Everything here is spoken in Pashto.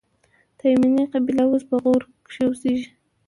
تایمني قبیله اوس په غور کښي اوسېږي.